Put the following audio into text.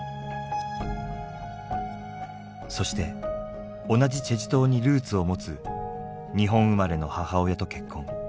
そして同じ済州島にルーツを持つ日本生まれの母親と結婚。